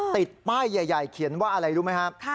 ติดป้ายใหญ่เขียนว่าอะไรรู้ไหมครับ